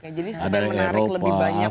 oke jadi sepeda menarik lebih banyak lagi orang